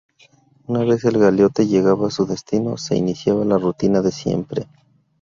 Una vez el galeote llegaba a su destino, se iniciaba la rutina de siempre.